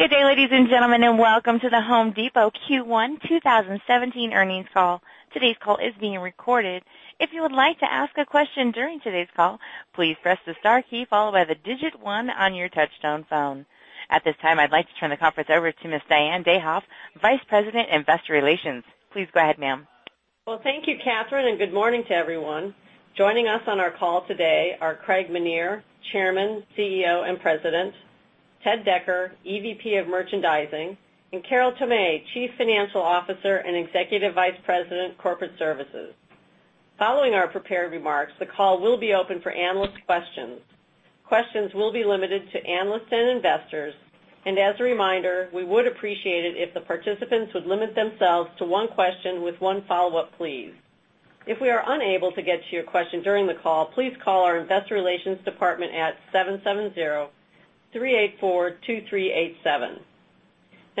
Good day, ladies and gentlemen, and welcome to The Home Depot Q1 2018 earnings call. Today's call is being recorded. If you would like to ask a question during today's call, please press the star key followed by the digit one on your touch-tone phone. At this time, I'd like to turn the conference over to Ms. Isabel Janci, Vice President, Investor Relations. Please go ahead, ma'am. Well, thank you, Catherine, and good morning to everyone. Joining us on our call today are Craig Menear, Chairman, CEO, and President, Ted Decker, EVP of Merchandising, and Carol Tomé, Chief Financial Officer and Executive Vice President, Corporate Services. Following our prepared remarks, the call will be open for analyst questions. Questions will be limited to analysts and investors. As a reminder, we would appreciate it if the participants would limit themselves to one question with one follow-up, please. If we are unable to get to your question during the call, please call our Investor Relations department at 770-384-2387.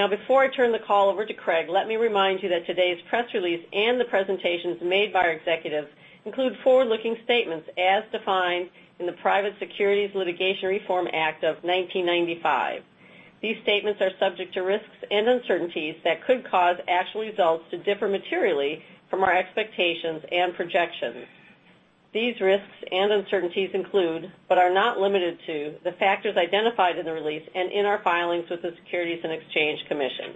Before I turn the call over to Craig, let me remind you that today's press release and the presentations made by our executives include forward-looking statements as defined in the Private Securities Litigation Reform Act of 1995. These statements are subject to risks and uncertainties that could cause actual results to differ materially from our expectations and projections. These risks and uncertainties include, but are not limited to, the factors identified in the release and in our filings with the Securities and Exchange Commission.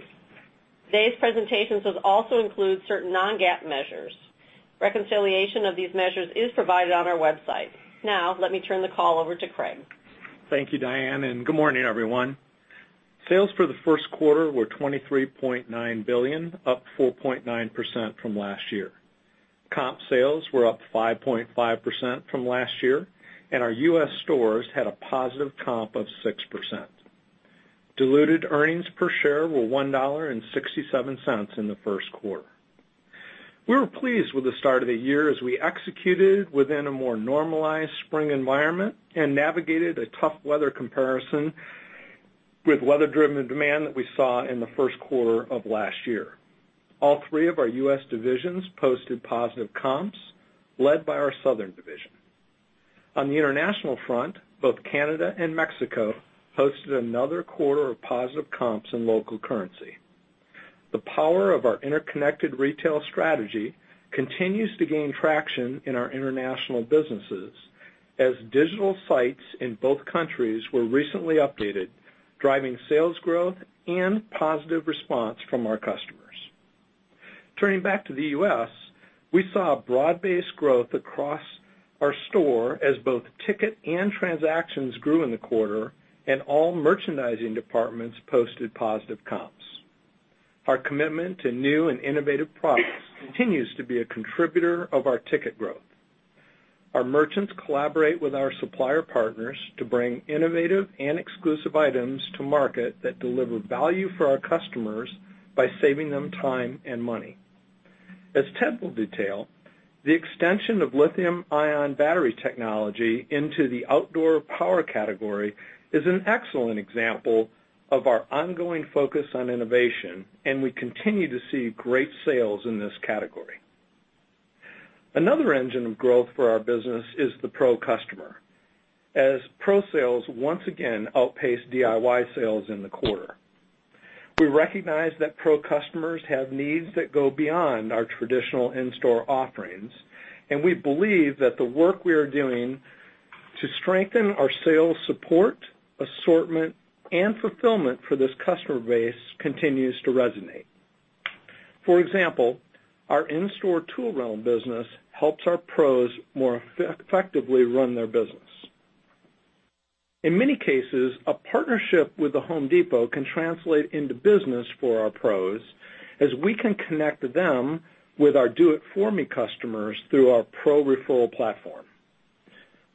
Today's presentations will also include certain non-GAAP measures. Reconciliation of these measures is provided on our website. Let me turn the call over to Craig. Thank you, Isabel, and good morning, everyone. Sales for the first quarter were $23.9 billion, up 4.9% from last year. Comp sales were up 5.5% from last year, and our U.S. stores had a positive comp of 6%. Diluted earnings per share were $1.67 in the first quarter. We were pleased with the start of the year as we executed within a more normalized spring environment and navigated a tough weather comparison with weather-driven demand that we saw in the first quarter of last year. All three of our U.S. divisions posted positive comps, led by our southern division. On the international front, both Canada and Mexico posted another quarter of positive comps in local currency. The power of our interconnected retail strategy continues to gain traction in our international businesses as digital sites in both countries were recently updated, driving sales growth and positive response from our customers. Turning back to the U.S., we saw broad-based growth across our store as both ticket and transactions grew in the quarter, and all merchandising departments posted positive comps. Our commitment to new and innovative products continues to be a contributor of our ticket growth. Our merchants collaborate with our supplier partners to bring innovative and exclusive items to market that deliver value for our customers by saving them time and money. As Ted will detail, the extension of lithium-ion battery technology into the outdoor power category is an excellent example of our ongoing focus on innovation, and we continue to see great sales in this category. Another engine of growth for our business is the pro customer, as pro sales once again outpaced DIY sales in the quarter. We recognize that pro customers have needs that go beyond our traditional in-store offerings, and we believe that the work we are doing to strengthen our sales support, assortment, and fulfillment for this customer base continues to resonate. For example, our in-store tool rental business helps our pros more effectively run their business. In many cases, a partnership with The Home Depot can translate into business for our pros as we can connect them with our Do-It-For-Me customers through our pro referral platform.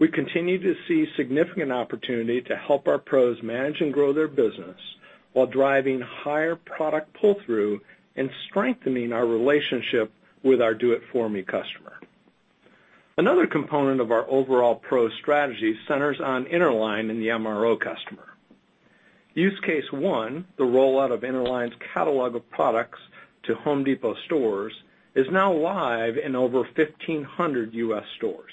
We continue to see significant opportunity to help our pros manage and grow their business while driving higher product pull-through and strengthening our relationship with our Do-It-For-Me customer. Another component of our overall pro strategy centers on Interline and the MRO customer. Use case 1, the rollout of Interline's catalog of products to Home Depot stores, is now live in over 1,500 U.S. stores.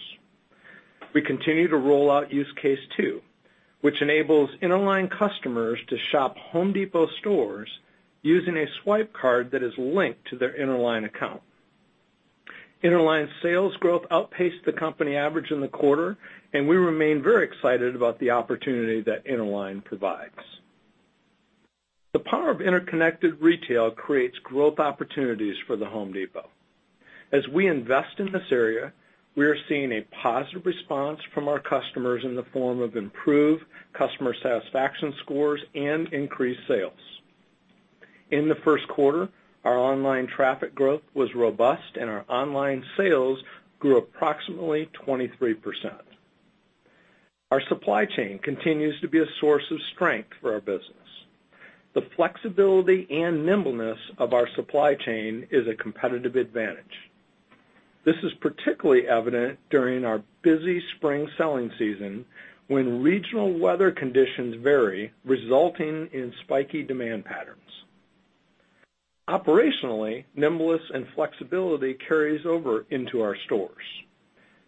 We continue to roll out use case 2, which enables Interline customers to shop Home Depot stores using a swipe card that is linked to their Interline account. Interline sales growth outpaced the company average in the quarter, and we remain very excited about the opportunity that Interline provides. The power of interconnected retail creates growth opportunities for The Home Depot. As we invest in this area, we are seeing a positive response from our customers in the form of improved customer satisfaction scores and increased sales. In the first quarter, our online traffic growth was robust, and our online sales grew approximately 23%. Our supply chain continues to be a source of strength for our business. The flexibility and nimbleness of our supply chain is a competitive advantage. This is particularly evident during our busy spring selling season when regional weather conditions vary, resulting in spiky demand patterns. Operationally, nimbleness and flexibility carries over into our stores.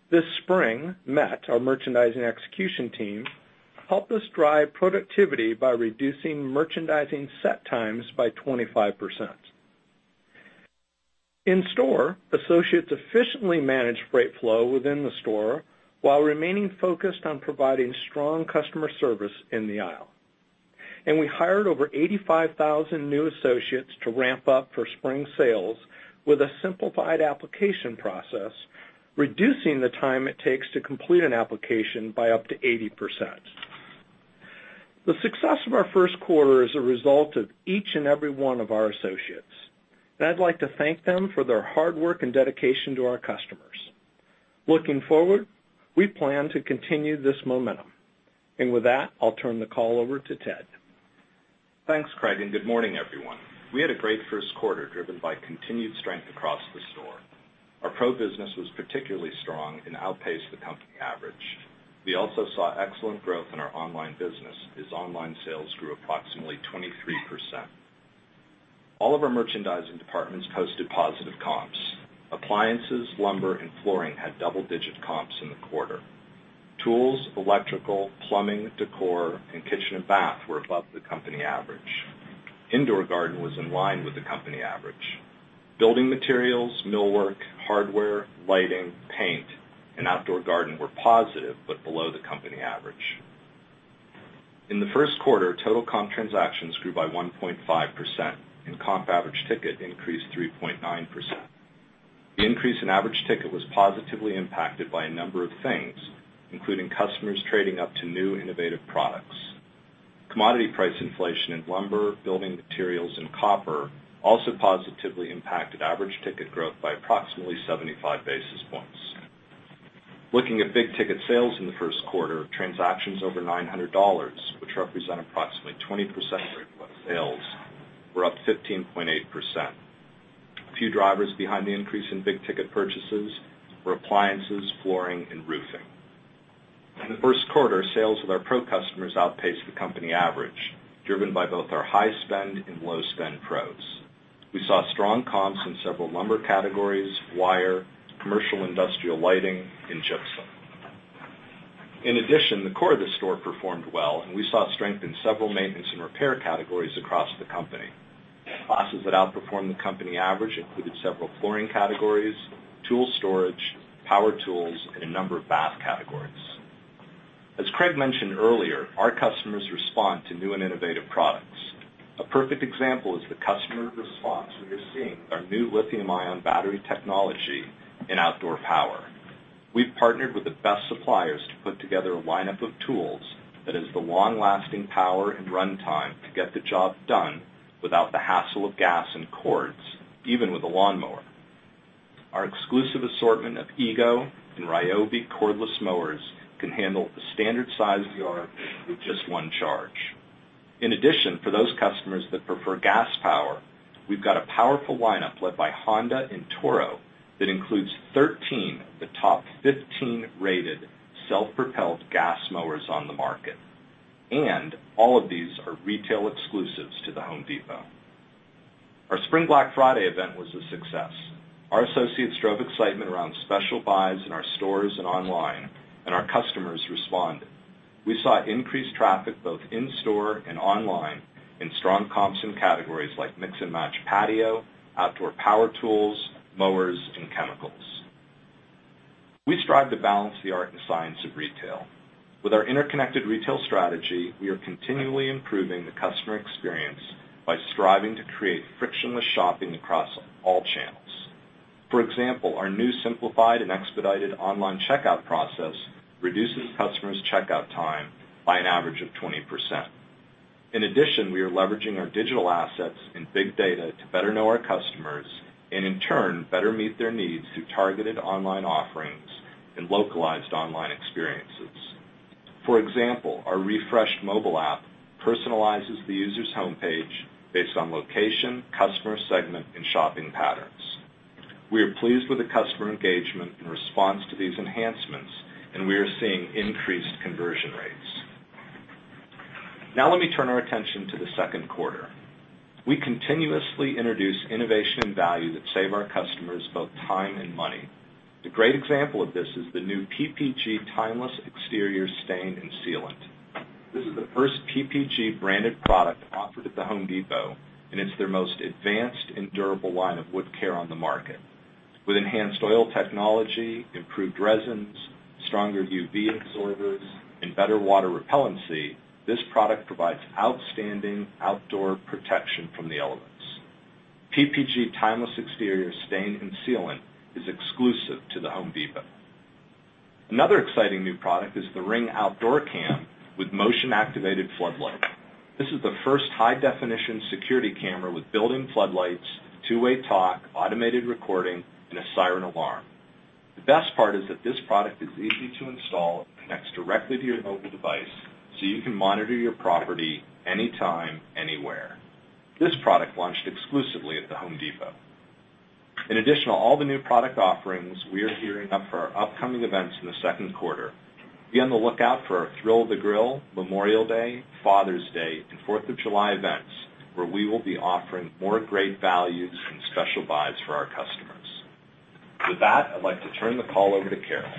This spring, MET, our merchandising execution team, helped us drive productivity by reducing merchandising set times by 25%. In store, associates efficiently manage freight flow within the store while remaining focused on providing strong customer service in the aisle. We hired over 85,000 new associates to ramp up for spring sales with a simplified application process, reducing the time it takes to complete an application by up to 80%. The success of our first quarter is a result of each and every one of our associates. I'd like to thank them for their hard work and dedication to our customers. Looking forward, we plan to continue this momentum. With that, I'll turn the call over to Ted. Thanks, Craig. Good morning, everyone. We had a great first quarter, driven by continued strength across the store. Our Pro business was particularly strong and outpaced the company average. We also saw excellent growth in our online business, as online sales grew approximately 23%. All of our merchandising departments posted positive comps. Appliances, lumber, and flooring had double-digit comps in the quarter. Tools, electrical, plumbing, decor, and kitchen and bath were above the company average. Indoor garden was in line with the company average. Building materials, millwork, hardware, lighting, paint, and outdoor garden were positive, but below the company average. In the first quarter, total comp transactions grew by 1.5%, and comp average ticket increased 3.9%. The increase in average ticket was positively impacted by a number of things, including customers trading up to new innovative products. Commodity price inflation in lumber, building materials, and copper also positively impacted average ticket growth by approximately 75 basis points. Looking at big-ticket sales in the first quarter, transactions over $900, which represent approximately 20% of regular sales, were up 15.8%. A few drivers behind the increase in big-ticket purchases were appliances, flooring, and roofing. In the first quarter, sales with our Pro customers outpaced the company average, driven by both our high-spend and low-spend Pros. We saw strong comps in several lumber categories, wire, commercial industrial lighting, and gypsum. In addition, the core of the store performed well. We saw strength in several maintenance and repair categories across the company. Classes that outperformed the company average included several flooring categories, tool storage, power tools, and a number of bath categories. As Craig mentioned earlier, our customers respond to new and innovative products. A perfect example is the customer response we are seeing with our new lithium-ion battery technology in outdoor power. We've partnered with the best suppliers to put together a lineup of tools that has the long-lasting power and runtime to get the job done without the hassle of gas and cords, even with a lawnmower. Our exclusive assortment of EGO and Ryobi cordless mowers can handle the standard size yard with just one charge. In addition, for those customers that prefer gas power, we've got a powerful lineup led by Honda and Toro that includes 13 of the top 15 rated self-propelled gas mowers on the market. All of these are retail exclusives to The Home Depot. Our Spring Black Friday event was a success. Our associates drove excitement around special buys in our stores and online. Our customers responded. We saw increased traffic both in-store and online, and strong comps in categories like mix-and-match patio, outdoor power tools, mowers, and chemicals. We strive to balance the art and science of retail. With our interconnected retail strategy, we are continually improving the customer experience by striving to create frictionless shopping across all channels. For example, our new simplified and expedited online checkout process reduces customers' checkout time by an average of 20%. In addition, we are leveraging our digital assets and big data to better know our customers, and in turn, better meet their needs through targeted online offerings and localized online experiences. For example, our refreshed mobile app personalizes the user's homepage based on location, customer segment, and shopping patterns. We are pleased with the customer engagement in response to these enhancements, and we are seeing increased conversion rates. Now let me turn our attention to the second quarter. We continuously introduce innovation and value that save our customers both time and money. A great example of this is the new PPG Timeless Exterior Stain and Sealant. This is the first PPG-branded product offered at The Home Depot, and it's their most advanced and durable line of wood care on the market. With enhanced oil technology, improved resins, stronger UV absorbers, and better water repellency, this product provides outstanding outdoor protection from the elements. PPG Timeless Exterior Stain and Sealant is exclusive to The Home Depot. Another exciting new product is the Ring Floodlight Cam with motion-activated floodlight. This is the first high-definition security camera with built-in floodlights, two-way talk, automated recording, and a siren alarm. The best part is that this product is easy to install. It connects directly to your mobile device so you can monitor your property anytime, anywhere. This product launched exclusively at The Home Depot. In addition to all the new product offerings, we are gearing up for our upcoming events in the second quarter. Be on the lookout for our Thrill of the Grill, Memorial Day, Father's Day, and Fourth of July events, where we will be offering more great values and special buys for our customers. With that, I'd like to turn the call over to Carol.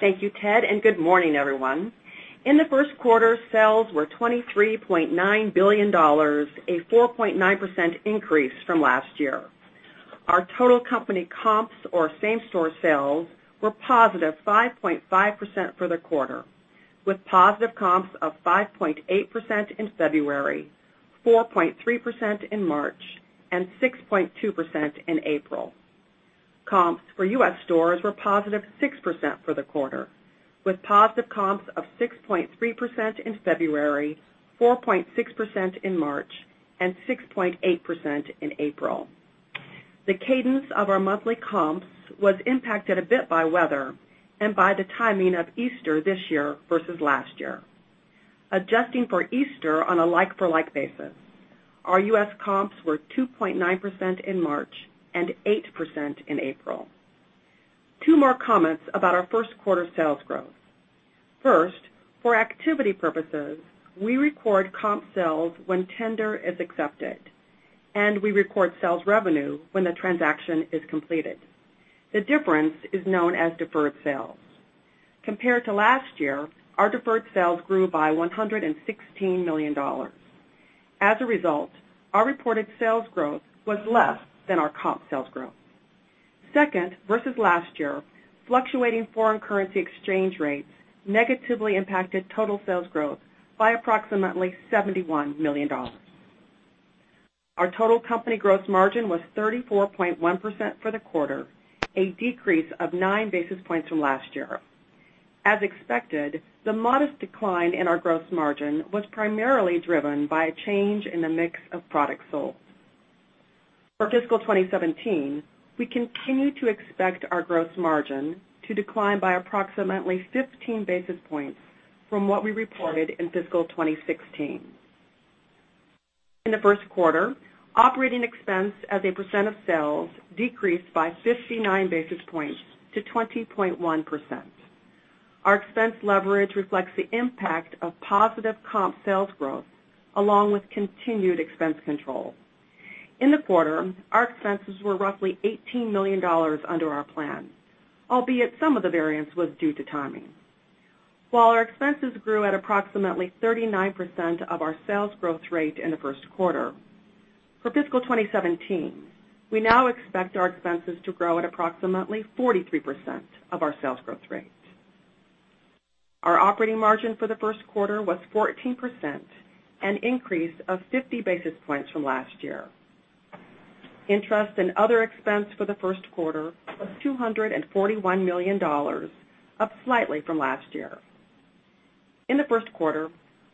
Thank you, Ted, and good morning, everyone. In the first quarter, sales were $23.9 billion, a 4.9% increase from last year. Our total company comps or same-store sales were positive 5.5% for the quarter, with positive comps of 5.8% in February, 4.3% in March, and 6.2% in April. Comps for U.S. stores were positive 6% for the quarter, with positive comps of 6.3% in February, 4.6% in March, and 6.8% in April. The cadence of our monthly comps was impacted a bit by weather and by the timing of Easter this year versus last year. Adjusting for Easter on a like-for-like basis, our U.S. comps were 2.9% in March and 8% in April. Two more comments about our first quarter sales growth. First, for activity purposes, we record comp sales when tender is accepted, and we record sales revenue when the transaction is completed. The difference is known as deferred sales. Compared to last year, our deferred sales grew by $116 million. As a result, our reported sales growth was less than our comp sales growth. Second, versus last year, fluctuating foreign currency exchange rates negatively impacted total sales growth by approximately $71 million. Our total company gross margin was 34.1% for the quarter, a decrease of nine basis points from last year. As expected, the modest decline in our gross margin was primarily driven by a change in the mix of products sold. For fiscal 2017, we continue to expect our gross margin to decline by approximately 15 basis points from what we reported in fiscal 2016. In the first quarter, operating expense as a percent of sales decreased by 59 basis points to 20.1%. Our expense leverage reflects the impact of positive comp sales growth along with continued expense control. In the quarter, our expenses were roughly $18 million under our plan, albeit some of the variance was due to timing. While our expenses grew at approximately 39% of our sales growth rate in the first quarter, for fiscal 2017, we now expect our expenses to grow at approximately 43% of our sales growth rate. Our operating margin for the first quarter was 14%, an increase of 50 basis points from last year. Interest and other expense for the first quarter was $241 million, up slightly from last year. In the first quarter,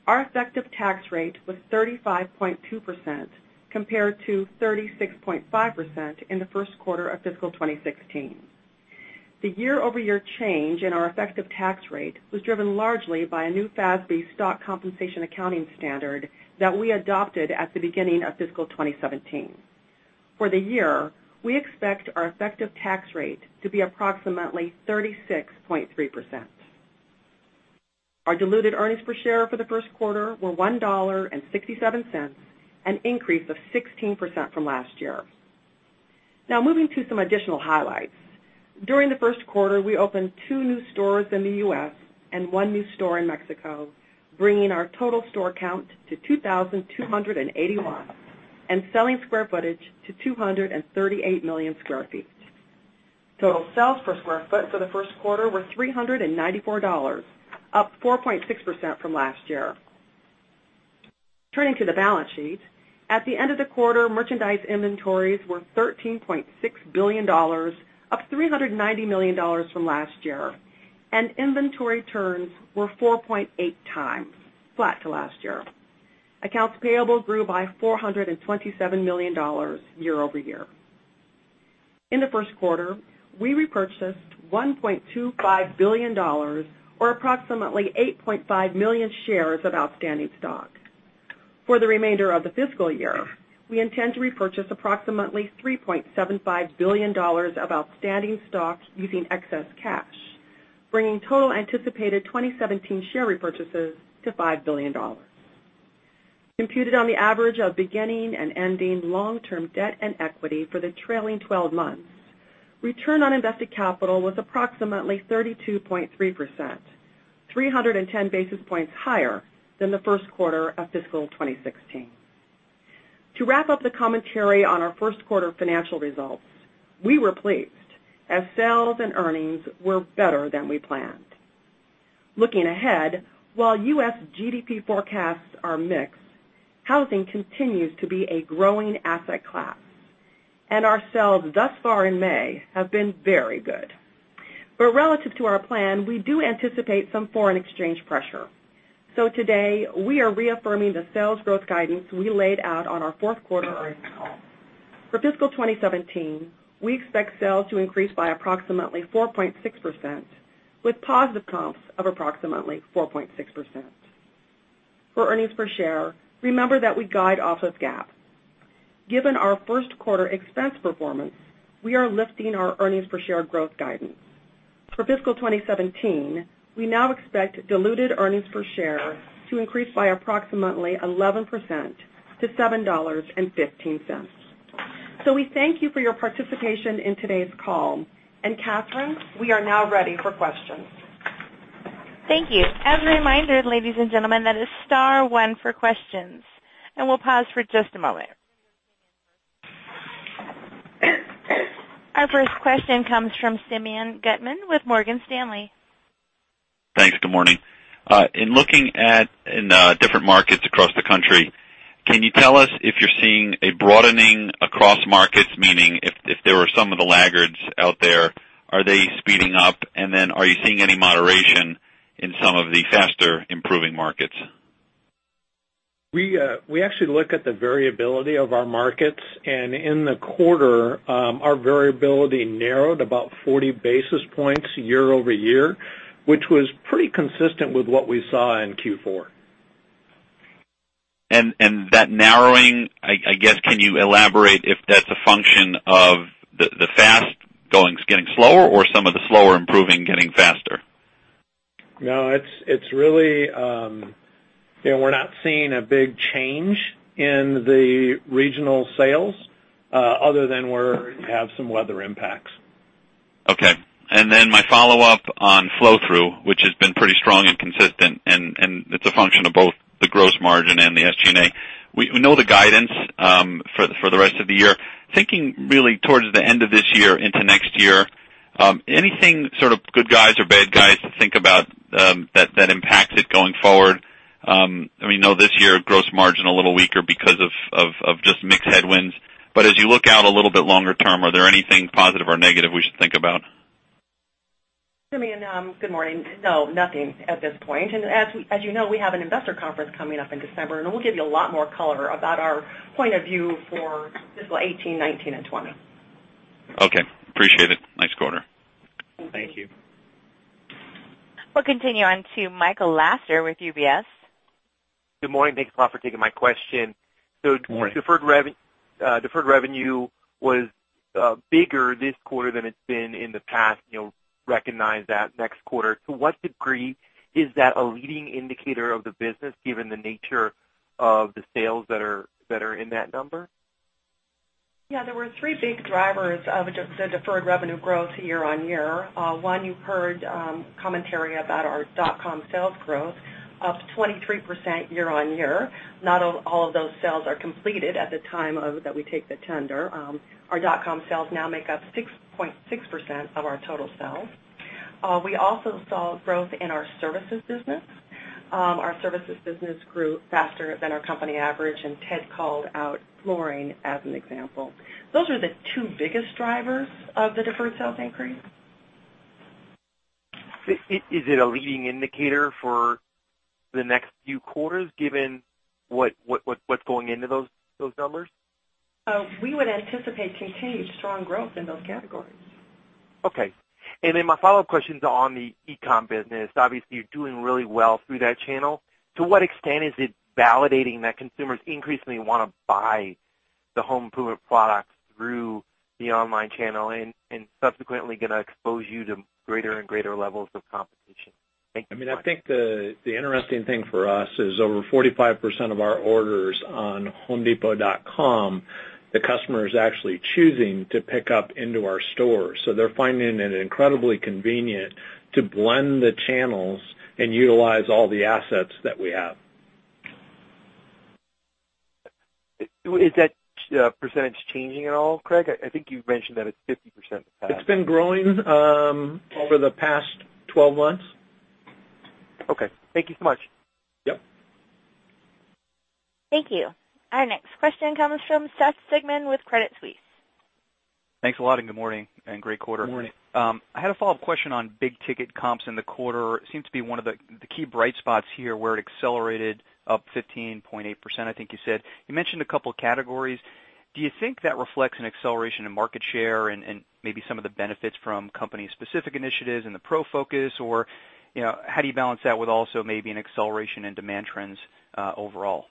our effective tax rate was 35.2% compared to 36.5% in the first quarter of fiscal 2016. The year-over-year change in our effective tax rate was driven largely by a new FASB stock compensation accounting standard that we adopted at the beginning of fiscal 2017. For the year, we expect our effective tax rate to be approximately 36.3%. Our diluted earnings per share for the first quarter were $1.67, an increase of 16% from last year. Now moving to some additional highlights. During the first quarter, we opened two new stores in the U.S. and one new store in Mexico, bringing our total store count to 2,281 and selling square footage to 238 million square feet. Total sales per square foot for the first quarter were $394, up 4.6% from last year. Turning to the balance sheet. At the end of the quarter, merchandise inventories were $13.6 billion, up $390 million from last year, and inventory turns were 4.8 times, flat to last year. Accounts payable grew by $427 million year-over-year. In the first quarter, we repurchased $1.25 billion, or approximately 8.5 million shares of outstanding stock. For the remainder of the fiscal year, we intend to repurchase approximately $3.75 billion of outstanding stock using excess cash, bringing total anticipated 2017 share repurchases to $5 billion. Computed on the average of beginning and ending long-term debt and equity for the trailing 12 months, return on invested capital was approximately 32.3%, 310 basis points higher than the first quarter of fiscal 2016. To wrap up the commentary on our first quarter financial results, we were pleased as sales and earnings were better than we planned. Looking ahead, while U.S. GDP forecasts are mixed, housing continues to be a growing asset class. Our sales thus far in May have been very good. Relative to our plan, we do anticipate some foreign exchange pressure. Today, we are reaffirming the sales growth guidance we laid out on our fourth quarter earnings call. For fiscal 2017, we expect sales to increase by approximately 4.6%, with positive comps of approximately 4.6%. For earnings per share, remember that we guide off of GAAP. Given our first quarter expense performance, we are lifting our earnings per share growth guidance. For fiscal 2017, we now expect diluted earnings per share to increase by approximately 11% to $7.15. We thank you for your participation in today's call. Catherine, we are now ready for questions. Thank you. As a reminder, ladies and gentlemen, that is star one for questions, and we'll pause for just a moment. Our first question comes from Simeon Gutman with Morgan Stanley. Thanks. Good morning. In looking at different markets across the country, can you tell us if you're seeing a broadening across markets? Meaning, if there were some of the laggards out there, are they speeding up? Then are you seeing any moderation in some of the faster improving markets? We actually look at the variability of our markets. In the quarter, our variability narrowed about 40 basis points year-over-year, which was pretty consistent with what we saw in Q4. That narrowing, I guess, can you elaborate if that's a function of the fast going, getting slower or some of the slower improving getting faster? No, we're not seeing a big change in the regional sales, other than where you have some weather impacts. Okay. My follow-up on flow-through, which has been pretty strong and consistent, and it's a function of both the gross margin and the SG&A. We know the guidance for the rest of the year. Thinking really towards the end of this year into next year, anything sort of good guys or bad guys to think about that impacts it going forward? We know this year, gross margin a little weaker because of just mixed headwinds. As you look out a little bit longer term, are there anything positive or negative we should think about? Simeon, good morning. No, nothing at this point. As you know, we have an investor conference coming up in December. We'll give you a lot more color about our point of view for fiscal 2018, 2019, and 2020. Okay. Appreciate it. Nice quarter. Thank you. Thank you. We'll continue on to Michael Lasser with UBS. Good morning. Thanks a lot for taking my question. Good morning. Deferred revenue was bigger this quarter than it's been in the past, recognize that next quarter. To what degree is that a leading indicator of the business given the nature of the sales that are in that number? There were three big drivers of the deferred revenue growth year-on-year. One, you heard commentary about our .com sales growth up 23% year-on-year. Not all of those sales are completed at the time that we take the tender. Our .com sales now make up 6.6% of our total sales. We also saw growth in our services business. Our services business grew faster than our company average, and Ted called out flooring as an example. Those are the two biggest drivers of the deferred sales increase. Is it a leading indicator for the next few quarters given what's going into those numbers? We would anticipate continued strong growth in those categories. Okay. My follow-up question's on the e-com business. Obviously, you're doing really well through that channel. To what extent is it validating that consumers increasingly want to buy the home improvement products through the online channel and subsequently going to expose you to greater and greater levels of competition? Thank you. I think the interesting thing for us is over 45% of our orders on homedepot.com, the customer is actually choosing to pick up into our store. They're finding it incredibly convenient to blend the channels and utilize all the assets that we have. Is that percentage changing at all, Craig? I think you've mentioned that it's 50% the past. It's been growing over the past 12 months. Okay. Thank you so much. Yep. Thank you. Our next question comes from Seth Sigman with Credit Suisse. Thanks a lot. Good morning. Great quarter. Good morning. I had a follow-up question on big-ticket comps in the quarter. Seems to be one of the key bright spots here, where it accelerated up 15.8%, I think you said. You mentioned a couple of categories. Do you think that reflects an acceleration in market share and maybe some of the benefits from company-specific initiatives and the pro focus? How do you balance that with also maybe an acceleration in demand trends overall?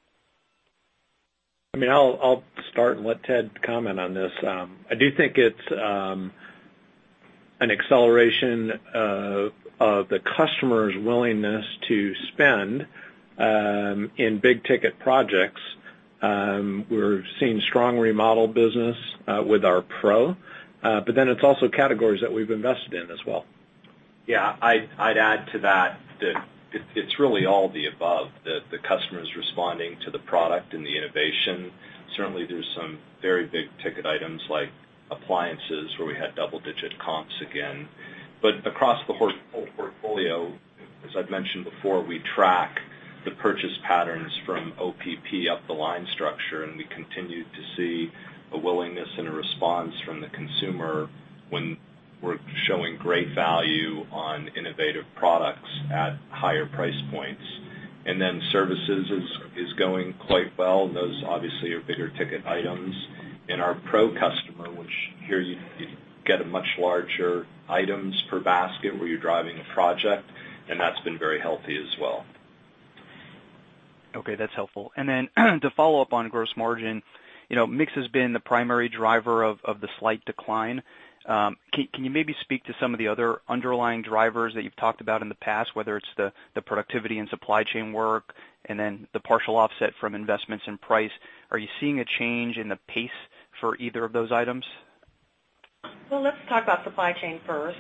I'll start and let Ted comment on this. I do think it's an acceleration of the customer's willingness to spend in big-ticket projects. We're seeing strong remodel business with our pro. It's also categories that we've invested in as well. I'd add to that it's really all the above. The customer's responding to the product and the innovation. Certainly, there's some very big-ticket items like appliances where we had double-digit comps again. Across the whole portfolio, as I've mentioned before, we track the purchase patterns from OPP up the line structure, and we continue to see a willingness and a response from the consumer when we're showing great value on innovative products at higher price points. Services is going quite well. Those obviously are bigger-ticket items. Our pro customer Here, you get much larger items per basket where you're driving a project, and that's been very healthy as well. Okay, that's helpful. To follow up on gross margin, mix has been the primary driver of the slight decline. Can you maybe speak to some of the other underlying drivers that you've talked about in the past, whether it's the productivity and supply chain work and then the partial offset from investments in price? Are you seeing a change in the pace for either of those items? Well, let's talk about supply chain first.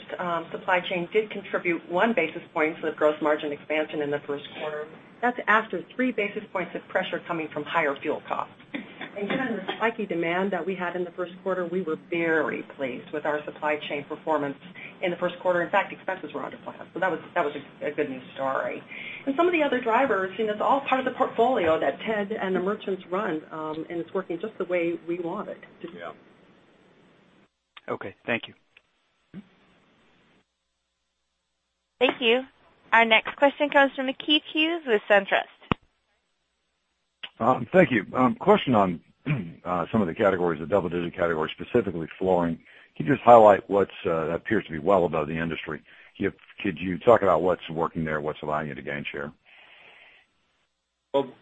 Supply chain did contribute one basis point to the gross margin expansion in the first quarter. That's after three basis points of pressure coming from higher fuel costs. Given the spike in demand that we had in the first quarter, we were very pleased with our supply chain performance in the first quarter. In fact, expenses were under plan. That was a good news story. Some of the other drivers, it's all part of the portfolio that Ted and the merchants run, and it's working just the way we want it to. Yeah. Okay, thank you. Thank you. Our next question comes from Keith Hughes with SunTrust. Thank you. Question on some of the categories, the double-digit categories, specifically flooring. Can you just highlight what appears to be well above the industry? Could you talk about what's working there, what's allowing you to gain share?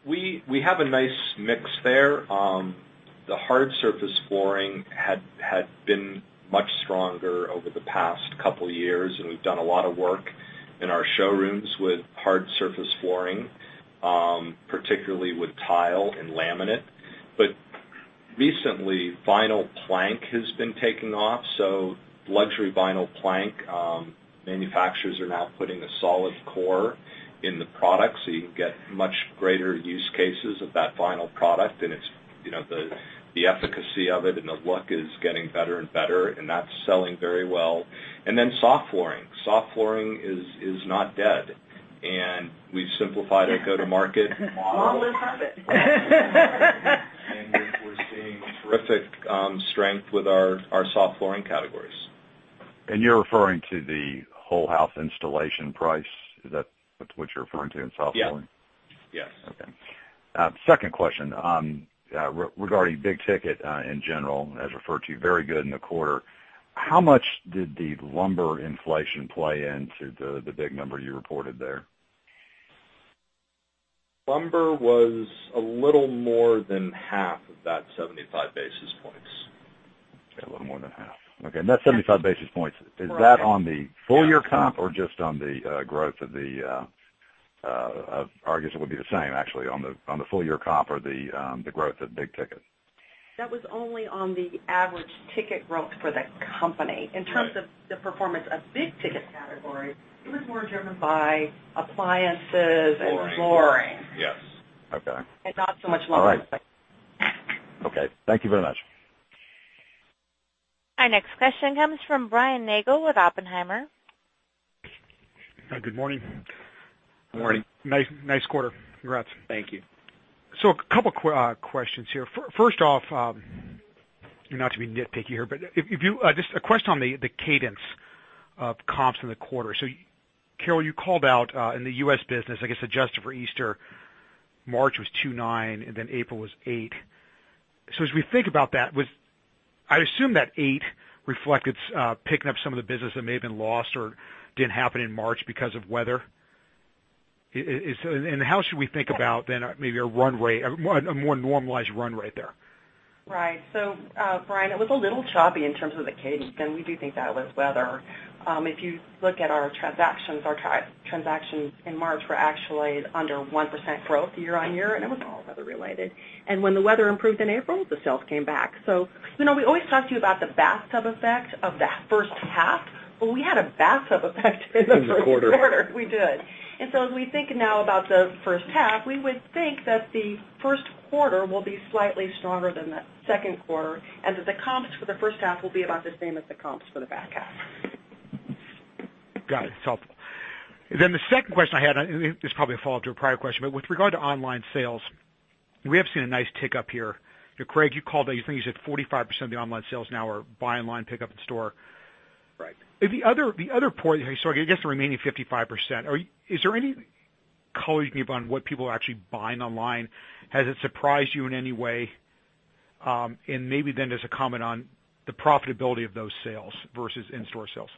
We have a nice mix there. The hard surface flooring had been much stronger over the past couple of years, and we've done a lot of work in our showrooms with hard surface flooring, particularly with tile and laminate. Recently, vinyl plank has been taking off. Luxury vinyl plank manufacturers are now putting a solid core in the product so you can get much greater use cases of that vinyl product, and the efficacy of it and the look is getting better and better, and that's selling very well. Soft flooring. Soft flooring is not dead. We've simplified our go-to-market model. Long live carpet. We're seeing terrific strength with our soft flooring categories. You're referring to the whole house installation price? Is that what you're referring to in soft flooring? Yes. Okay. Second question. Regarding big ticket in general, as referred to, very good in the quarter. How much did the lumber inflation play into the big number you reported there? Lumber was a little more than half of that 75 basis points. Okay, a little more than half. Okay, that 75 basis points, is that on the full year comp or just on the growth of the I guess it would be the same, actually, on the full year comp or the growth of big ticket? That was only on the average ticket growth for the company. In terms of the performance of big ticket categories, it was more driven by appliances and flooring. Flooring, yes. Okay. Not so much lumber. All right. Okay. Thank you very much. Our next question comes from Brian Nagel with Oppenheimer. Good morning. Good morning. Nice quarter. Congrats. Thank you. A couple questions here. Not to be nitpicky here, but just a question on the cadence of comps in the quarter. Carol, you called out, in the U.S. business, I guess adjusted for Easter, March was 2.9% and then April was 8%. As we think about that, I assume that 8% reflected picking up some of the business that may have been lost or didn't happen in March because of weather. How should we think about then maybe a more normalized run rate there? Right. Brian, it was a little choppy in terms of the cadence, and we do think that was weather. If you look at our transactions, our transactions in March were actually under 1% growth year-over-year, and it was all weather related. When the weather improved in April, the sales came back. We always talk to you about the bathtub effect of the first half. Well, we had a bathtub effect in the first quarter. In the quarter. We did. As we think now about the first half, we would think that the first quarter will be slightly stronger than the second quarter, and that the comps for the first half will be about the same as the comps for the back half. Got it. It's helpful. The second question I had, this is probably a follow-up to a prior question, but with regard to online sales, we have seen a nice tick up here. Craig, you called out, I think you said 45% of the online sales now are buy online, pick up in store. Right. The other portion, I guess the remaining 55%, is there any color you can give on what people are actually buying online? Has it surprised you in any way? And maybe then just a comment on the profitability of those sales versus in-store sales.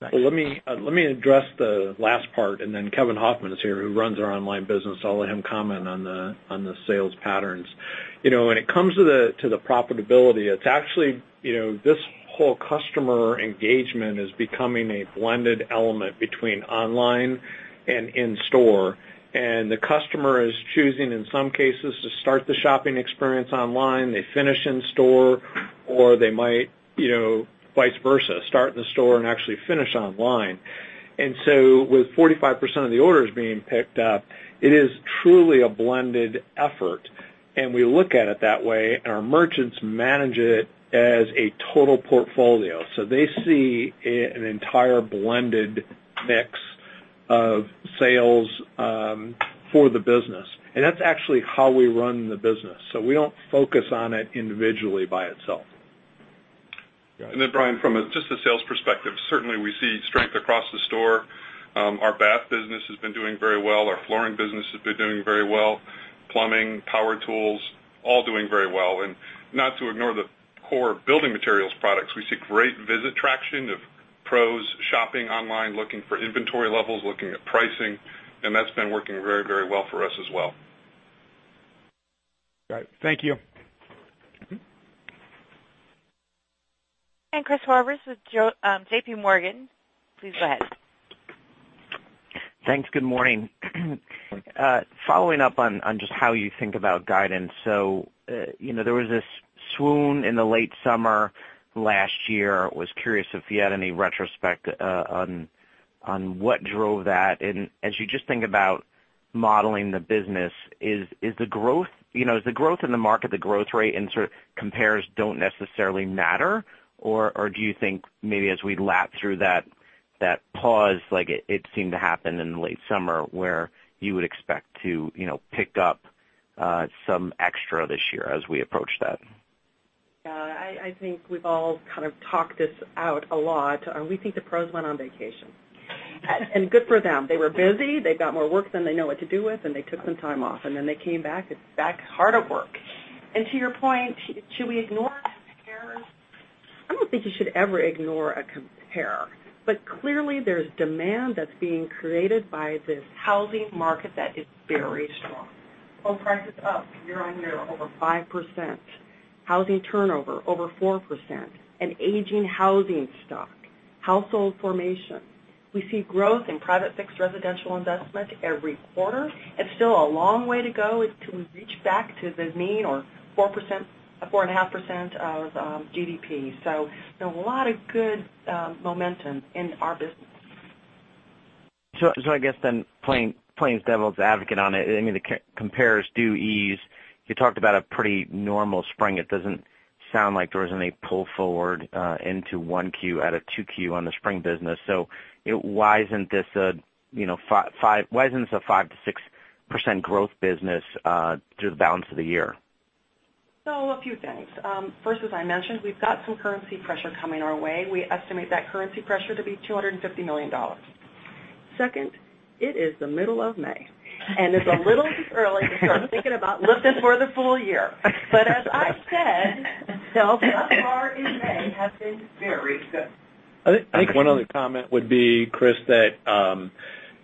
Thanks. Let me address the last part. Kevin Hofmann is here, who runs our online business, so I'll let him comment on the sales patterns. When it comes to the profitability, this whole customer engagement is becoming a blended element between online and in store. The customer is choosing, in some cases, to start the shopping experience online, they finish in store, or they might vice versa, start in the store and actually finish online. With 45% of the orders being picked up, it is truly a blended effort, and we look at it that way, and our merchants manage it as a total portfolio. They see an entire blended mix of sales for the business. That's actually how we run the business. We don't focus on it individually by itself. Brian, from just a sales perspective, certainly we see strength across the store. Our bath business has been doing very well. Our flooring business has been doing very well. Plumbing, power tools, all doing very well. Not to ignore the core building materials products. We see great visit traction of pros shopping online, looking for inventory levels, looking at pricing. That's been working very well for us as well. Right. Thank you. Chris Horvers with JPMorgan, please go ahead. Thanks. Good morning. Following up on just how you think about guidance. There was this swoon in the late summer last year. Was curious if you had any retrospect on what drove that. As you just think about modeling the business, is the growth in the market, the growth rate in sort of compares don't necessarily matter? Do you think maybe as we lap through that pause, like it seemed to happen in the late summer, where you would expect to pick up some extra this year as we approach that? I think we've all kind of talked this out a lot. We think the pros went on vacation. Good for them. They were busy. They've got more work than they know what to do with, and they took some time off, and then they came back. It's back hard at work. To your point, should we ignore compares? I don't think you should ever ignore a compare, but clearly there's demand that's being created by this housing market that is very strong. Home prices up year-over-year over 5%. Housing turnover over 4%. An aging housing stock, household formation. We see growth in private fixed residential investment every quarter. It's still a long way to go till we reach back to the mean or 4.5% of GDP. A lot of good momentum in our business. I guess then playing devil's advocate on it, the compares do ease. You talked about a pretty normal spring. It doesn't sound like there was any pull forward into 1Q out of 2Q on the spring business. Why isn't this a 5%-6% growth business through the balance of the year? A few things. First, as I mentioned, we've got some currency pressure coming our way. We estimate that currency pressure to be $250 million. Second, it is the middle of May, and it's a little bit early to start thinking about lifting for the full year. As I said, sales thus far in May have been very good. I think one other comment would be, Chris, that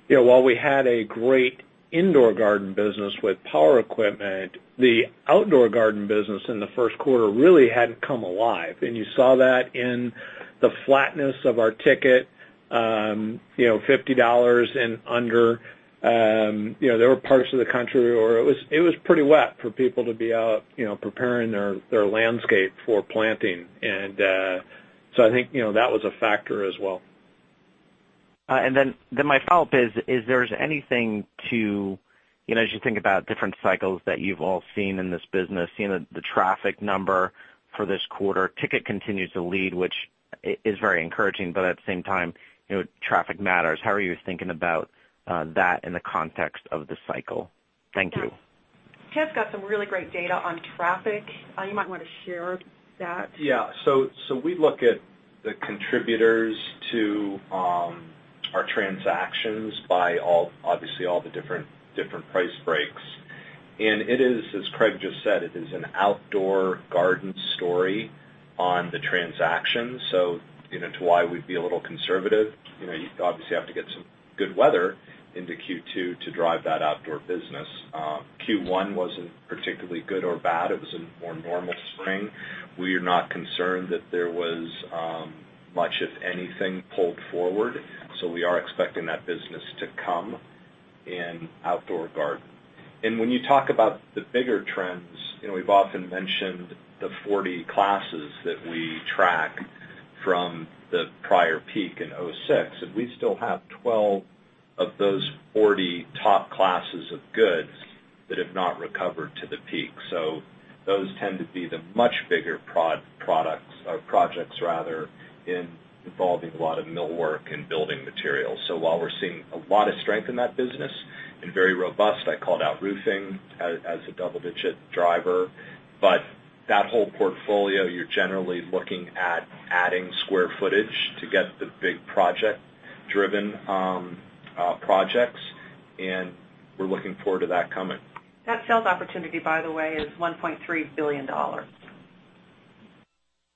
while we had a great indoor garden business with power equipment, the outdoor garden business in the first quarter really hadn't come alive. You saw that in the flatness of our ticket, $50 and under. There were parts of the country where it was pretty wet for people to be out preparing their landscape for planting. I think that was a factor as well. My follow-up is there anything to, as you think about different cycles that you've all seen in this business, seen the traffic number for this quarter, ticket continues to lead, which is very encouraging, at the same time, traffic matters. How are you thinking about that in the context of the cycle? Thank you. Ted's got some really great data on traffic. You might want to share that. Yeah. We look at the contributors to our transactions by obviously all the different price breaks. It is, as Craig just said, it is an outdoor garden story on the transactions. To why we'd be a little conservative. You obviously have to get some good weather into Q2 to drive that outdoor business. Q1 wasn't particularly good or bad. It was a more normal spring. We are not concerned that there was much, if anything, pulled forward. We are expecting that business to come in outdoor garden. When you talk about the bigger trends, we've often mentioned the 40 classes that we track from the prior peak in 2006, and we still have 12 of those 40 top classes of goods that have not recovered to the peak. Those tend to be the much bigger projects involving a lot of millwork and building materials. While we're seeing a lot of strength in that business and very robust, I called out roofing as a double-digit driver. That whole portfolio, you're generally looking at adding square footage to get the big project-driven projects, and we're looking forward to that coming. That sales opportunity, by the way, is $1.3 billion.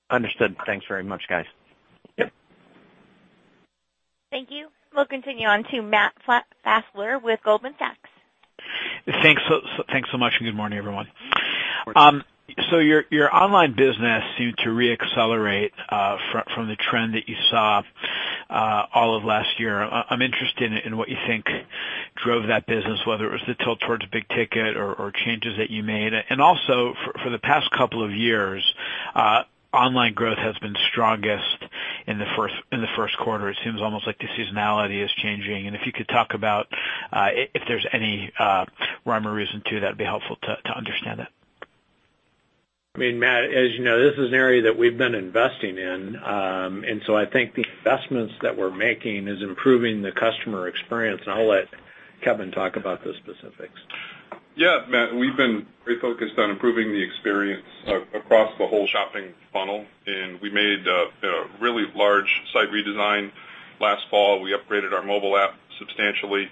Understood. Thanks very much, guys. Yep. Thank you. We'll continue on to Matt Fassler with Goldman Sachs. Thanks so much, and good morning, everyone. Your online business seemed to re-accelerate from the trend that you saw all of last year. I'm interested in what you think drove that business, whether it was the tilt towards big ticket or changes that you made. Also, for the past couple of years, online growth has been strongest in the first quarter. It seems almost like the seasonality is changing, and if you could talk about if there's any rhyme or reason to, that'd be helpful to understand that. Matt, as you know, this is an area that we've been investing in. I think the investments that we're making is improving the customer experience, and I'll let Kevin talk about the specifics. Yeah, Matt, we've been very focused on improving the experience across the whole shopping funnel, and we made a really large site redesign last fall. We upgraded our mobile app substantially,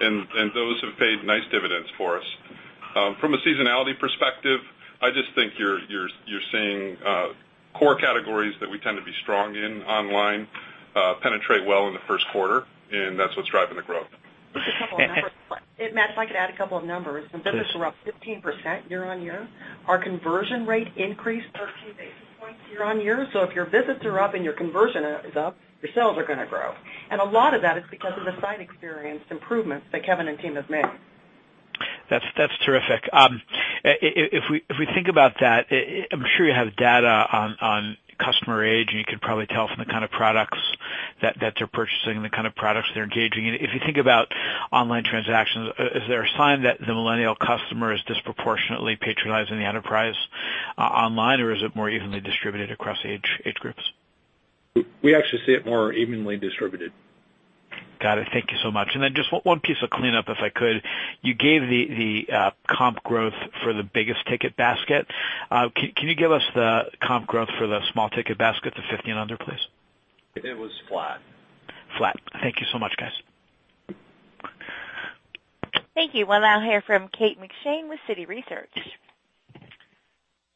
and those have paid nice dividends for us. From a seasonality perspective, I just think you're seeing core categories that we tend to be strong in online, penetrate well in the first quarter, and that's what's driving the growth. Just a couple of numbers. Matt, if I could add a couple of numbers. Sure. The visits were up 15% year-over-year. Our conversion rate increased 13 basis points year-over-year. If your visits are up and your conversion is up, your sales are going to grow. A lot of that is because of the site experience improvements that Kevin and team have made. That's terrific. If we think about that, I'm sure you have data on customer age, and you could probably tell from the kind of products that they're purchasing and the kind of products they're engaging in. If you think about online transactions, is there a sign that the millennial customer is disproportionately patronizing the enterprise online, or is it more evenly distributed across age groups? We actually see it more evenly distributed. Got it. Thank you so much. Just one piece of cleanup, if I could. You gave the comp growth for the biggest ticket basket. Can you give us the comp growth for the small ticket basket, the 15 and under, please? It was flat. Flat. Thank you so much, guys. Thank you. We'll now hear from Kate McShane with Citi Research.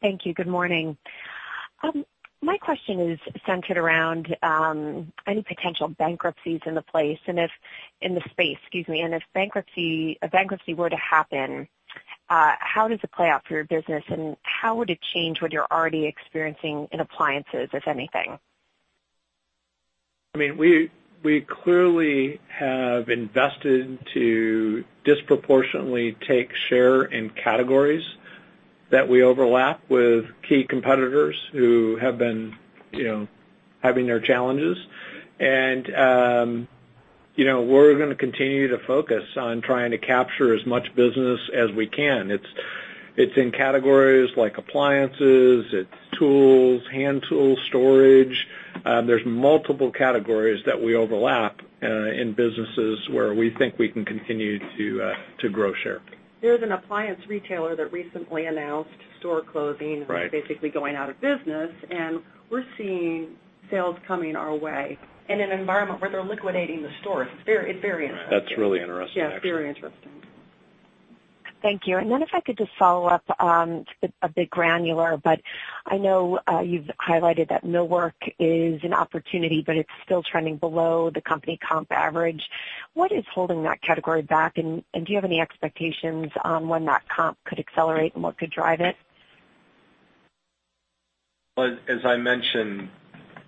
Thank you. Good morning. My question is centered around any potential bankruptcies in the place in the space, excuse me, and if a bankruptcy were to happen, how does it play out for your business, and how would it change what you're already experiencing in appliances, if anything? We clearly have invested to disproportionately take share in categories that we overlap with key competitors who have been having their challenges. We're going to continue to focus on trying to capture as much business as we can. It's in categories like appliances, it's tools, hand tools, storage. There's multiple categories that we overlap in businesses where we think we can continue to grow share. There's an appliance retailer that recently announced store closing. Right They're basically going out of business, and we're seeing sales coming our way in an environment where they're liquidating the stores. It's very interesting. That's really interesting, actually. Yes, very interesting. Thank you. If I could just follow up, a bit granular, but I know you've highlighted that millwork is an opportunity, but it's still trending below the company comp average. What is holding that category back, and do you have any expectations on when that comp could accelerate and what could drive it? As I mentioned,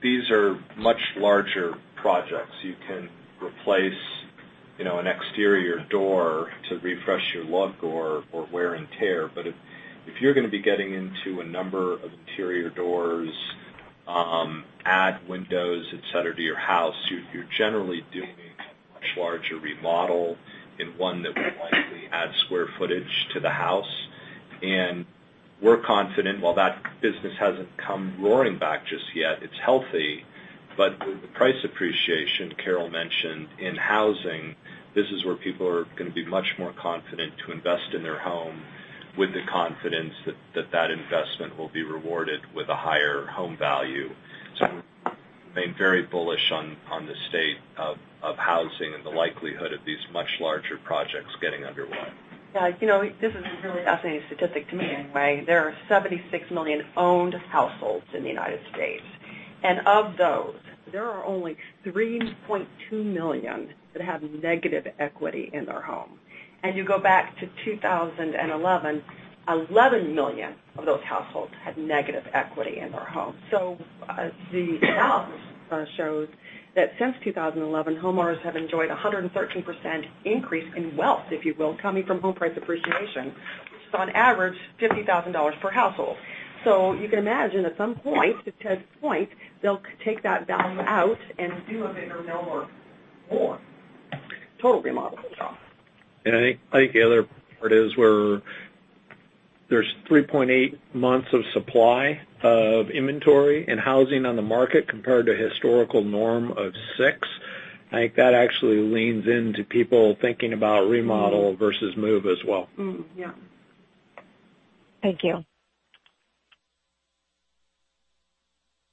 these are much larger projects. You can replace an exterior door to refresh your look or wear and tear. If you're going to be getting into a number of interior doors, add windows, et cetera, to your house, you're generally doing a much larger remodel and one that will likely add square footage to the house. We're confident while that business hasn't come roaring back just yet, it's healthy. With the price appreciation Carol mentioned in housing, this is where people are going to be much more confident to invest in their home with the confidence that that investment will be rewarded with a higher home value. We remain very bullish on the state of housing and the likelihood of these much larger projects getting underway. Yeah. This is a really fascinating statistic to me anyway. There are 76 million owned households in the U.S., and of those, there are only 3.2 million that have negative equity in their home. You go back to 2011, 11 million of those households had negative equity in their home. The balance shows that since 2011, homeowners have enjoyed 113% increase in wealth, if you will, coming from home price appreciation, which is on average $50,000 per household. You can imagine at some point, to Ted's point, they'll take that balance out and do a bigger millwork or total remodel job. I think the other part is where there's 3.8 months of supply of inventory and housing on the market compared to historical norm of six. I think that actually leans into people thinking about remodel versus move as well. Mm-hmm. Yeah. Thank you.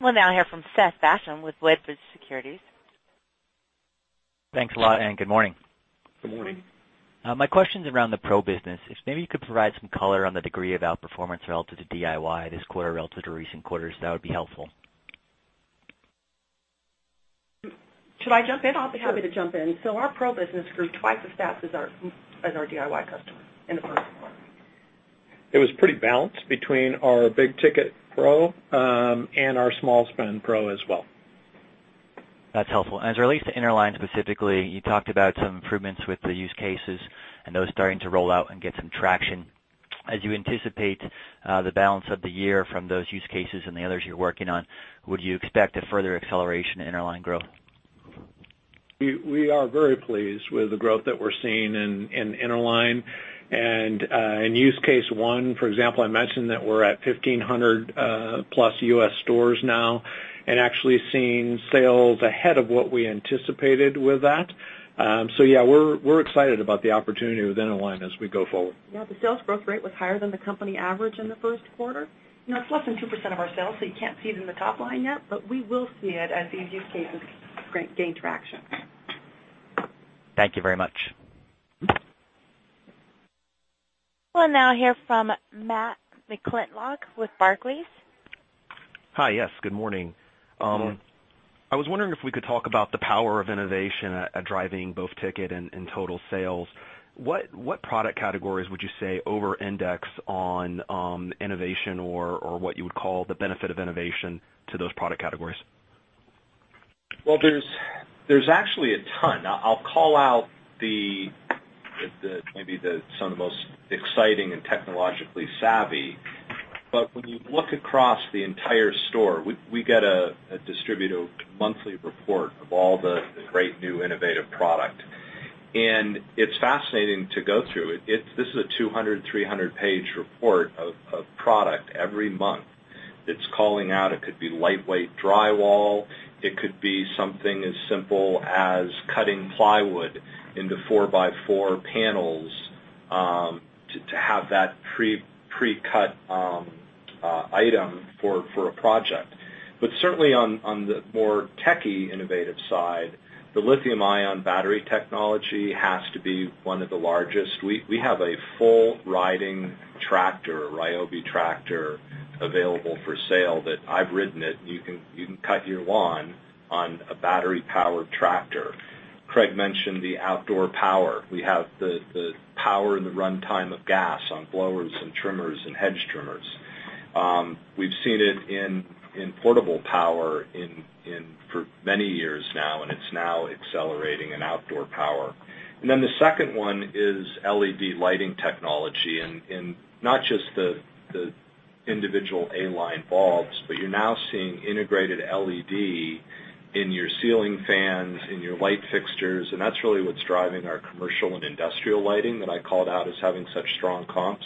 We'll now hear from Seth Basham with Wedbush Securities. Thanks a lot. Good morning. Good morning. My question's around the pro business. If maybe you could provide some color on the degree of outperformance relative to DIY this quarter relative to recent quarters, that would be helpful. Should I jump in? I'll be happy to jump in. Our pro business grew twice as fast as our DIY customer in the first quarter. It was pretty balanced between our big-ticket pro and our small-spend pro as well. That's helpful. As it relates to Interline specifically, you talked about some improvements with the use cases and those starting to roll out and get some traction. As you anticipate the balance of the year from those use cases and the others you're working on, would you expect a further acceleration in Interline growth? We are very pleased with the growth that we're seeing in Interline. In use case 1, for example, I mentioned that we're at 1,500 plus U.S. stores now and actually seeing sales ahead of what we anticipated with that. Yeah, we're excited about the opportunity with Interline as we go forward. Yeah. The sales growth rate was higher than the company average in the first quarter. It's less than 2% of our sales, you can't see it in the top line yet, but we will see it as these use cases gain traction. Thank you very much. We'll now hear from Matt McClintock with Barclays. Hi. Yes, good morning. Good morning. I was wondering if we could talk about the power of innovation at driving both ticket and total sales. What product categories would you say over-index on innovation or what you would call the benefit of innovation to those product categories? Well, there's actually a ton. I'll call out maybe some of the most exciting and technologically savvy. When you look across the entire store, we get a distributor monthly report of all the great new innovative product, and it's fascinating to go through. This is a 200, 300-page report of product every month that's calling out. It could be lightweight drywall. It could be something as simple as cutting plywood into four by four panels to have that pre-cut item for a project. Certainly on the more techie innovative side, the lithium-ion battery technology has to be one of the largest. We have a full riding tractor, Ryobi tractor, available for sale that I've ridden it, and you can cut your lawn on a battery-powered tractor. Craig mentioned the outdoor power. We have the power and the runtime of gas on blowers and trimmers and hedge trimmers. We've seen it in portable power for many years now, and it's now accelerating in outdoor power. The second one is LED lighting technology in not just the individual A-line bulbs, but you're now seeing integrated LED in your ceiling fans, in your light fixtures, and that's really what's driving our commercial and industrial lighting that I called out as having such strong comps.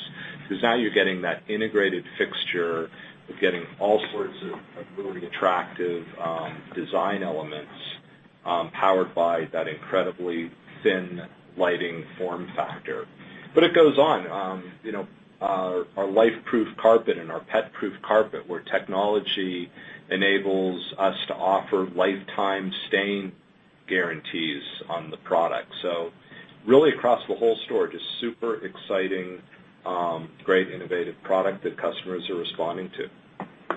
Now you're getting that integrated fixture. You're getting all sorts of really attractive design elements powered by that incredibly thin lighting form factor. It goes on. Our LifeProof carpet and our PetProof carpet, where technology enables us to offer lifetime stain guarantees on the product. Really across the whole store, just super exciting great innovative product that customers are responding to.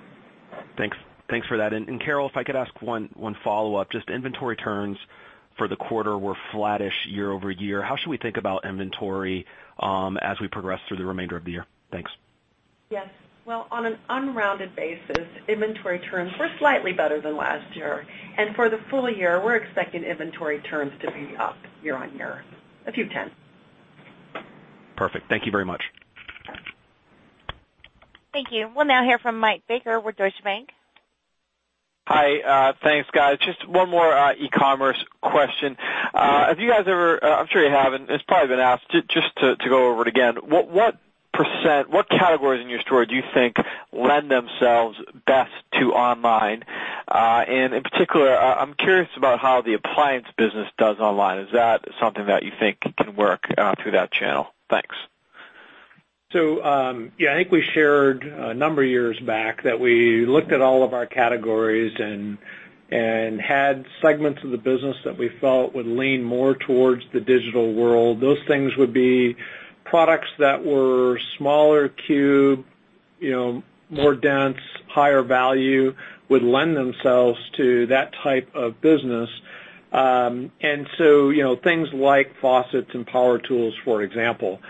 Thanks for that. Carol, if I could ask one follow-up. Just inventory turns for the quarter were flattish year-over-year. How should we think about inventory as we progress through the remainder of the year? Thanks. Yes. Well, on an unrounded basis, inventory turns were slightly better than last year. For the full year, we're expecting inventory turns to be up year-on-year, a few tenths. Perfect. Thank you very much. Thank you. We'll now hear from Mike Baker with Deutsche Bank. Hi. Thanks, guys. Just one more e-commerce question. Have you guys ever, I'm sure you have, and it's probably been asked, just to go over it again, what categories in your store do you think lend themselves best to online? In particular, I'm curious about how the appliance business does online. Is that something that you think can work through that channel? Thanks. Yeah, I think we shared a number of years back that we looked at all of our categories and had segments of the business that we felt would lean more towards the digital world. Those things would be products that were smaller cube, more dense, higher value, would lend themselves to that type of business. Things like faucets and power tools, for example.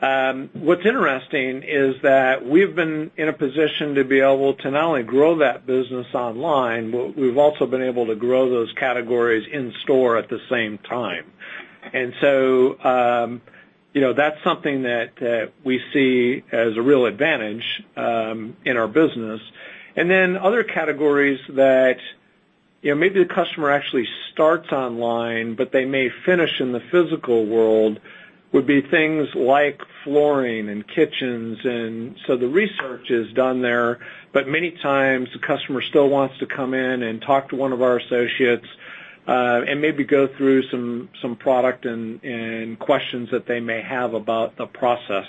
What's interesting is that we've been in a position to be able to not only grow that business online, but we've also been able to grow those categories in store at the same time. That's something that we see as a real advantage in our business. Then other categories that maybe the customer actually starts online, but they may finish in the physical world, would be things like flooring and kitchens. The research is done there, but many times the customer still wants to come in and talk to one of our associates, and maybe go through some product and questions that they may have about the process.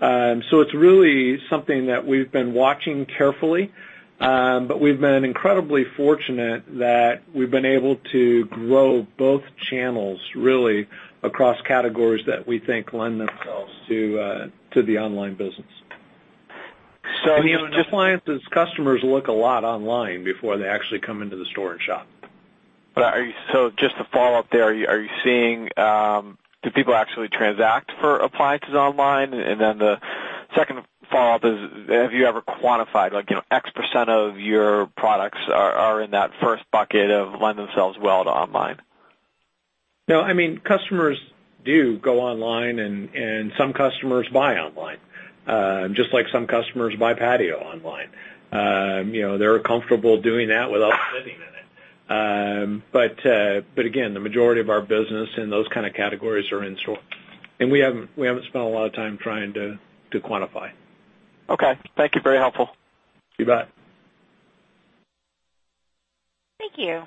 It's really something that we've been watching carefully. We've been incredibly fortunate that we've been able to grow both channels really across categories that we think lend themselves to the online business. Appliances customers look a lot online before they actually come into the store and shop. Just to follow up there, do people actually transact for appliances online? The second follow-up is, have you ever quantified, like X% of your products are in that first bucket of lend themselves well to online? No. Customers do go online and some customers buy online, just like some customers buy patio online. They're comfortable doing that without sitting in it. Again, the majority of our business in those kind of categories are in store. We haven't spent a lot of time trying to quantify. Okay. Thank you. Very helpful. You bet. Thank you.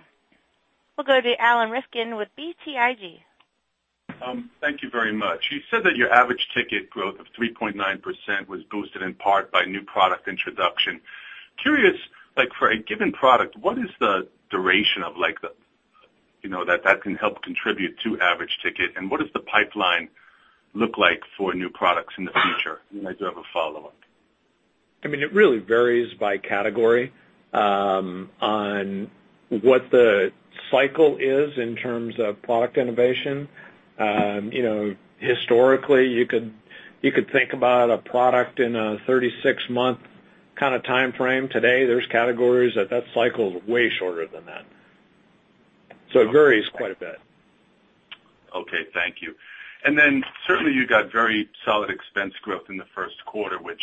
We'll go to Alan Rifkin with BTIG. Thank you very much. You said that your average ticket growth of 3.9% was boosted in part by new product introduction. Curious, for a given product, what is the duration of that can help contribute to average ticket? What does the pipeline look like for new products in the future? I do have a follow-up. It really varies by category on what the cycle is in terms of product innovation. Historically, you could think about a product in a 36-month kind of timeframe. Today, there's categories that that cycle is way shorter than that. It varies quite a bit. Okay, thank you. Certainly you got very solid expense growth in the first quarter, which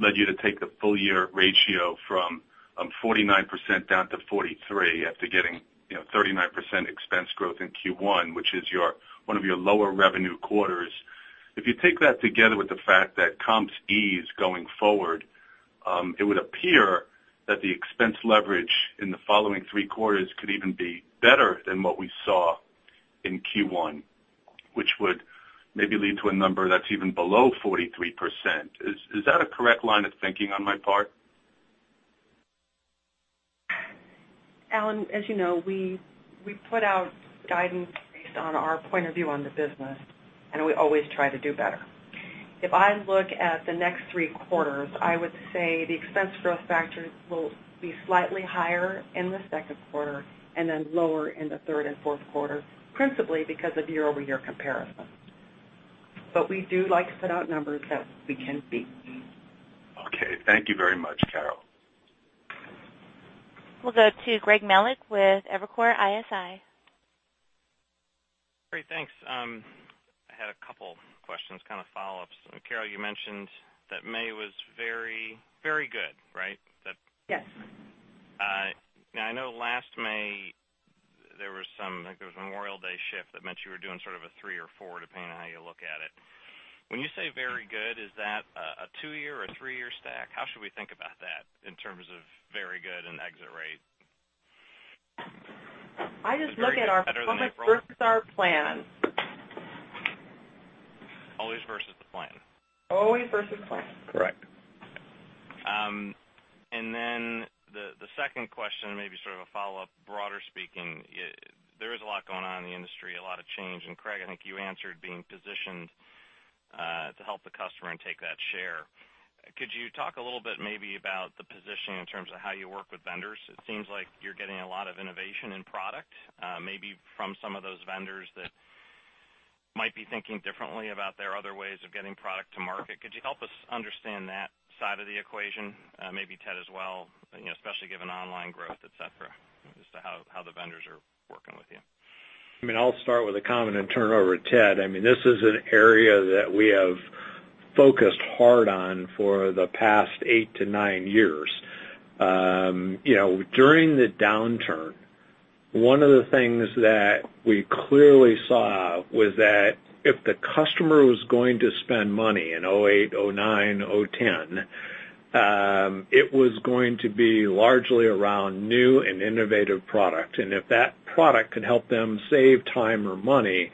led you to take the full year ratio from 49% down to 43% after getting 39% expense growth in Q1, which is one of your lower revenue quarters. If you take that together with the fact that comps ease going forward, it would appear that the expense leverage in the following three quarters could even be better than what we saw in Q1, which would maybe lead to a number that's even below 43%. Is that a correct line of thinking on my part? Alan, as you know, we put out guidance based on our point of view on the business. We always try to do better. If I look at the next three quarters, I would say the expense growth factors will be slightly higher in the second quarter then lower in the third and fourth quarter, principally because of year-over-year comparison. We do like to put out numbers that we can beat. Okay. Thank you very much, Carol. We'll go to Greg Melich with Evercore ISI. Great. Thanks. I had a couple questions, kind of follow-ups. Carol, you mentioned that May was very good, right? Yes. Now I know last May there was some Memorial Day shift that meant you were doing sort of a three or four, depending on how you look at it. When you say very good, is that a two-year or three-year stack? How should we think about that in terms of very good and exit rate? I just look at how much versus our plan. Always versus the plan. Always versus plan. Correct. Then the second question, maybe sort of a follow-up, broadly speaking, there is a lot going on in the industry, a lot of change, Craig, I think you answered being positioned to help the customer and take that share. Could you talk a little bit maybe about the positioning in terms of how you work with vendors? It seems like you're getting a lot of innovation in product, maybe from some of those vendors that might be thinking differently about their other ways of getting product to market. Could you help us understand that side of the equation? Maybe Ted as well, especially given online growth, et cetera, as to how the vendors are working with you. I'll start with a comment and turn it over to Ted. This is an area that we have focused hard on for the past eight to nine years. During the downturn, one of the things that we clearly saw was that if the customer was going to spend money in 2008, 2009, 2010, it was going to be largely around new and innovative product. If that product could help them save time or money,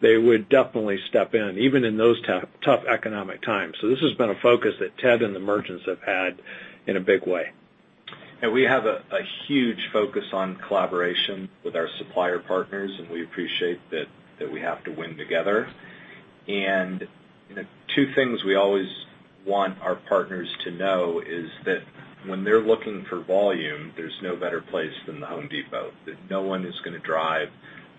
they would definitely step in, even in those tough economic times. This has been a focus that Ted and the merchants have had in a big way. We have a huge focus on collaboration with our supplier partners, and we appreciate that we have to win together. Two things we always want our partners to know is that when they're looking for volume, there's no better place than The Home Depot, that no one is going to drive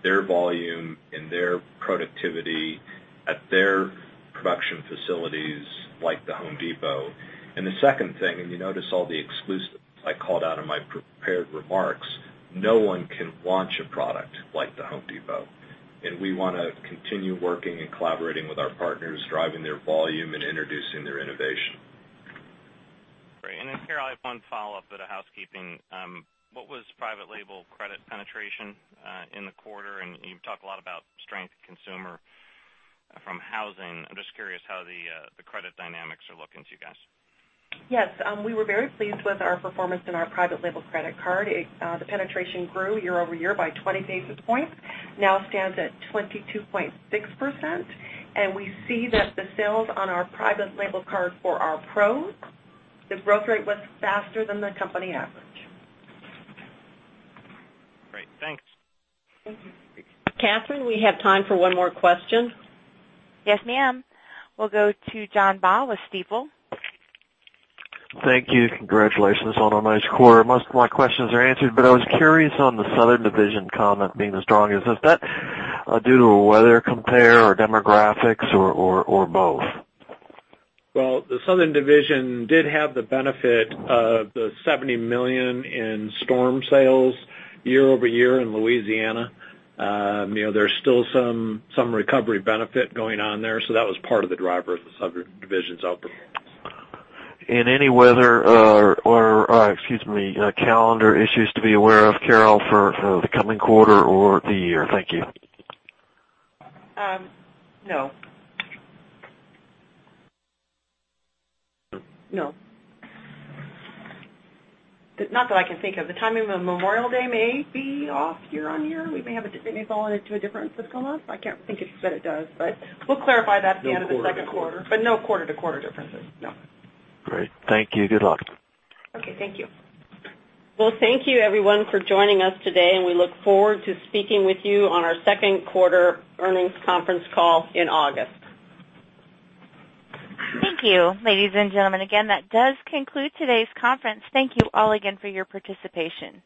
their volume and their productivity at their production facilities like The Home Depot. The second thing, and you notice all the exclusives I called out in my prepared remarks, no one can launch a product like The Home Depot, and we want to continue working and collaborating with our partners, driving their volume and introducing their innovation. Great. Then Carol, I have one follow-up, bit of housekeeping. What was private label credit penetration in the quarter? You talk a lot about strength consumer from housing. I'm just curious how the credit dynamics are looking to you guys. Yes. We were very pleased with our performance in our private label credit card. The penetration grew year-over-year by 20 basis points. Now stands at 22.6%. We see that the sales on our private label card for our pros, the growth rate was faster than the company average. Great. Thanks. Thank you. Catherine, we have time for one more question. Yes, ma'am. We'll go to John Baugh with Stifel. Thank you. Congratulations on a nice quarter. Most of my questions are answered, but I was curious on the Southern division comment being as strong as this. Is that due to a weather compare or demographics or both? Well, the Southern division did have the benefit of the $70 million in storm sales year-over-year in Louisiana. There's still some recovery benefit going on there, so that was part of the driver of the Southern division's output. Any weather or, excuse me, calendar issues to be aware of, Carol, for the coming quarter or the year? Thank you. No. Not that I can think of. The timing of Memorial Day may be off year-on-year. We may have it falling into a different fiscal month. I can't think if it does, but we'll clarify that at the end of the second quarter. No quarter-to-quarter differences, no. Great. Thank you. Good luck. Okay, thank you. Well, thank you everyone for joining us today, and we look forward to speaking with you on our second quarter earnings conference call in August. Thank you. Ladies and gentlemen, again, that does conclude today's conference. Thank you all again for your participation.